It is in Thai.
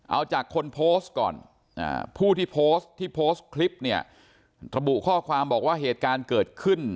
เอาจากคนโพสต์ก่อนผู้ที่โพสต์ที่โพสต์คลิปเนี่ยระบุข้อความบอกว่าเหตุการณ์เกิดขึ้น